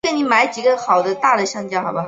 这是他职业生涯的巅峰时期。